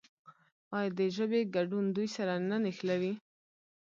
آیا د ژبې ګډون دوی سره نه نښلوي؟